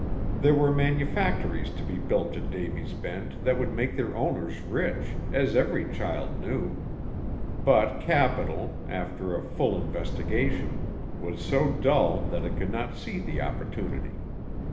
There were manufactories to be built in Davy's Bend that would make their owners rich, as every child knew; but Capital, after a full investigation, was so dull that it could not see the opportunity.